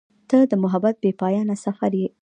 • ته د محبت بېپایانه سفر یې.